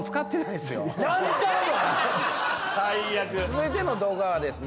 続いての動画はですね